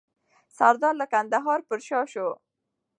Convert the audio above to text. سردار له کندهار پر شا سو.